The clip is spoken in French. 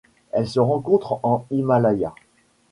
Elle se rencontre en Himalaya.